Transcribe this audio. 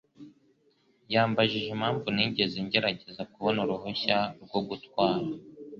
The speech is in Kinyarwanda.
yambajije impamvu ntigeze ngerageza kubona uruhushya rwo gutwara.